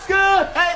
はい！